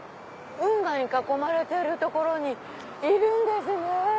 運河に囲まれてる所にいるんですね。